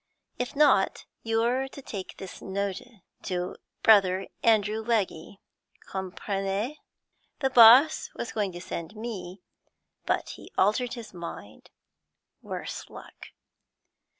'If not, you're to takee this notee to Brother Andrew Leggee, comprenez? The boss was going to send me, but he altered his mind, worse luck.'